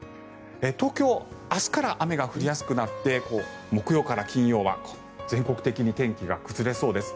東京は明日から雨が降りやすくなって木曜から金曜は全国的に天気が崩れそうです。